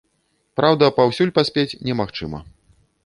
Праўда, паўсюль паспець немагчыма.